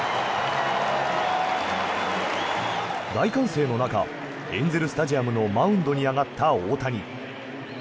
大歓声の中エンゼル・スタジアムのマウンドに上がった大谷。